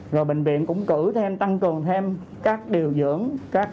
rồi bệnh viện cũng cử thêm tăng cường thêm các điều dưỡng